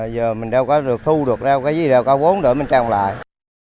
giờ mình đâu có được thu được đâu có gì đâu có vốn để mình trồng lại